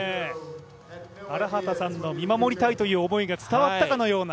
荒畑さんの見守りたいという思いが伝わったかのような。